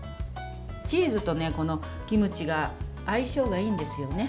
チーズとキムチが相性がいいんですよね。